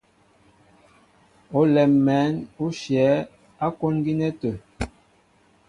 Olɛm mɛ̌n ó shyɛ̌ á kwón gínɛ́ tə̂.